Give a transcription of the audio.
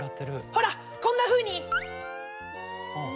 ほらこんなふうに！